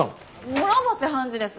諸星判事です。